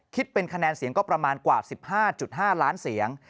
คิดเป็นคะแนนเสียงก็ประมาณกว่า๑๕๕ล้านเสียง